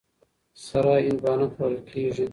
سره هندوانه خوړل کېږي.